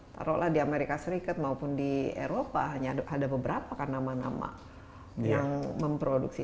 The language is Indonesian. taruhlah di amerika serikat maupun di eropa hanya ada beberapa kan nama nama yang memproduksi